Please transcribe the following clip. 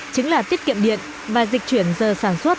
chính là tiết kiệm điện và dịch chuyển giờ sản xuất